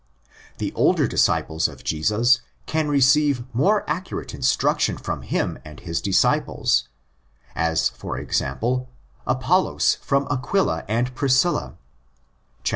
The older disciples of Jesus can receive more accurate instruction from him and his disciples; as, for example, Apollos from Aquila and Priscilla (xviii.